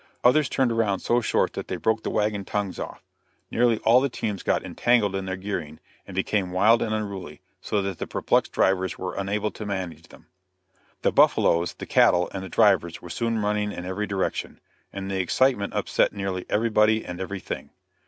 Others turned around so short that they broke the wagon tongues off. Nearly all the teams got entangled in their gearing, and became wild and unruly, so that the perplexed drivers were unable to manage them. The buffaloes, the cattle, and the drivers, were soon running in every direction, and the excitement upset nearly everybody and everything.